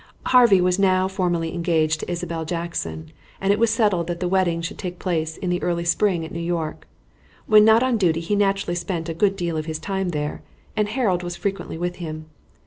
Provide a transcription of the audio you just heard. Harvey was now formally engaged to Isabelle Jackson, and it was settled that the wedding should take place in the early spring at New York. When not on duty he naturally spent a good deal of his time there, and Harold was frequently with him.